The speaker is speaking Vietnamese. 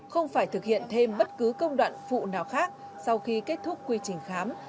không phải thực hiện thêm bất cứ công đoạn phụ nào khác sau khi kết thúc quy trình khám